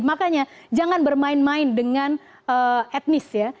makanya jangan bermain main dengan etnis ya